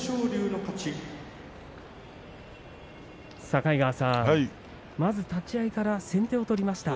境川さん、まず立ち合いから先手を取りました。